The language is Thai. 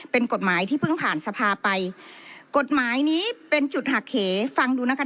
เป็นกฎหมายที่เพิ่งผ่านสภาไปกฎหมายนี้เป็นจุดหักเหฟังดูนะคะ